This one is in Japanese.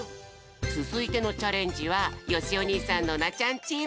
つづいてのチャレンジはよしお兄さんノナちゃんチーム！